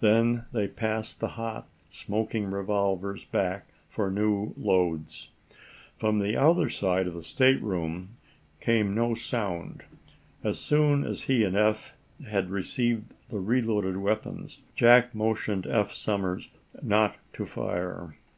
Then they passed the hot smoking revolvers back for new loads. From the other side of the stateroom door came no sound. As soon as he and Eph had received the reloaded weapons, Jack motioned Eph Somers not to fire.